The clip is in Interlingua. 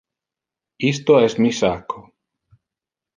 Isto es mi sacco.